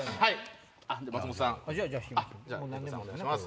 お願いします。